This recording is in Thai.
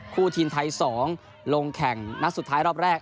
ทีมไทย๒ลงแข่งนัดสุดท้ายรอบแรก